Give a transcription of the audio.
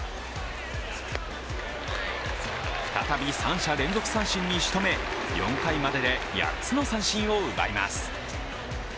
再び三者連続三振に仕留め、４回までで８つの三振を奪います。